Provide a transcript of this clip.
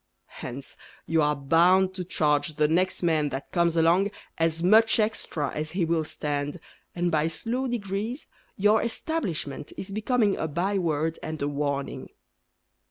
Hence You are bound to charge The next man that comes along As much extra as he will stand, And by slow degrees Your establishment Is becoming A by word And a warning.